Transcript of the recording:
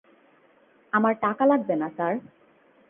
আমার টাকা লাগবে না, স্যার।